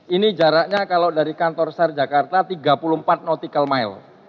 ini jaraknya kalau dari kantor sar jakarta tiga puluh empat nautical mile